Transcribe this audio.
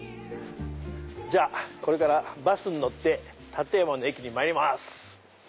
じゃあこれからバスに乗って館山の駅にまいります。